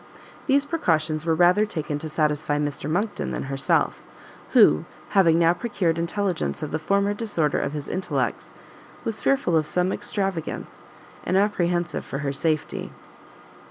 These precautions were rather taken to satisfy Mr Monckton than herself, who, having now procured intelligence of the former disorder of his intellects, was fearful of some extravagance, and apprehensive for her safety.